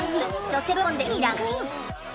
女性部門で４位にランクイン。